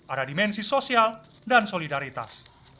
ada dimensi sosial dan solidaritas